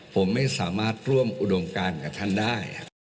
ผมไม่สามารถร่วมอุดมการกับท่านได้